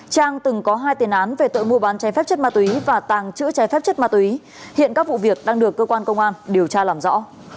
trang từng có hai tiền án về tội mua bán cháy phép chất ma túy và tàng trữ trái phép chất ma túy hiện các vụ việc đang được cơ quan công an điều tra làm rõ